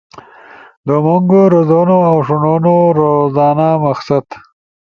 ومونگو (رزونو اؤ ݜنونو)، روازانہ مقصد